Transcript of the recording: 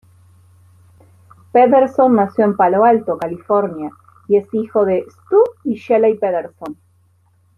Pederson nació en Palo Alto, California y es hijo de Stu y Shelley Pederson.